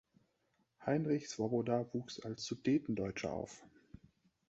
Heinrich Svoboda wuchs als Sudetendeutscher auf.